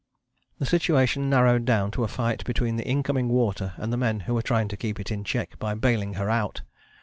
The situation narrowed down to a fight between the incoming water and the men who were trying to keep it in check by baling her out.